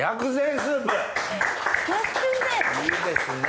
いいですね。